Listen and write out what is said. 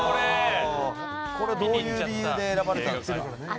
これ、どういう理由で選ばれたんですか？